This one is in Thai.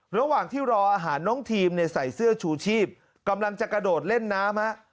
ระหว่างที่รออาหารน้องทีมเนี่ยใส่เสื้อชูชีพกำลังจะกระโดดเล่นน้ำ